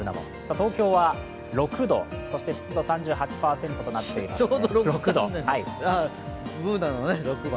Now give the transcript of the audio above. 東京は６度、そして湿度３８％となっていますね。